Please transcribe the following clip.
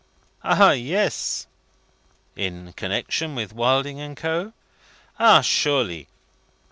"Ah, yes!" "In connection with Wilding and Co.?" "Ah, surely!"